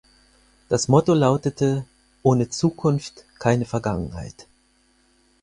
Das Motto lautete „Ohne Zukunft keine Vergangenheit“.